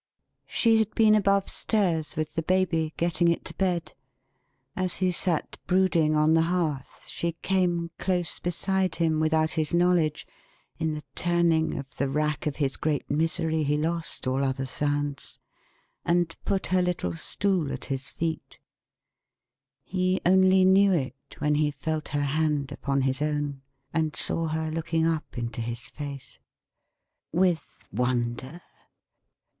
She had been above stairs with the Baby, getting it to bed. As he sat brooding on the hearth, she came close beside him, without his knowledge in the turning of the rack of his great misery, he lost all other sounds and put her little stool at his feet. He only knew it, when he felt her hand upon his own, and saw her looking up into his face. With wonder?